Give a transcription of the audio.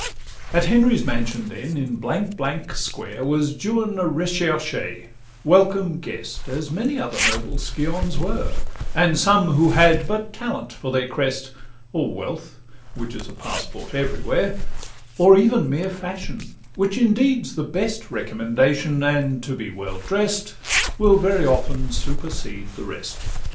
XXVIII At Henry's mansion then, in Blank Blank Square, Was Juan a recherchè, welcome guest, As many other noble scions were; And some who had but talent for their crest; Or wealth, which is a passport every where; Or even mere fashion, which indeed's the best Recommendation; and to be well drest Will very often supersede the rest.